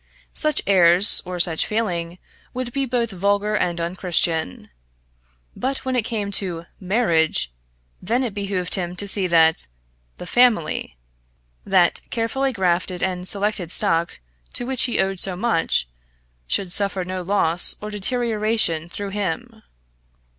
Such airs or such feeling would be both vulgar and unchristian. But when it came to marriage, then it behoved him to see that "the family" that carefully grafted and selected stock to which he owed so much should suffer no loss or deterioration through him.